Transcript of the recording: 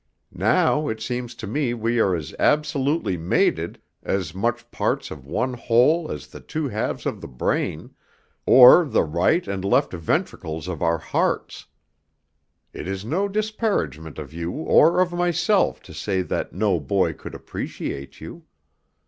Now it seems to me we are as absolutely mated, as much parts of one whole as the two halves of the brain, or the right and left ventricles of our hearts. It is no disparagement of you or of myself to say that no boy could appreciate you.